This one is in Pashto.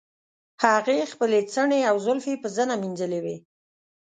هغې خپلې څڼې او زلفې په زنه مینځلې وې.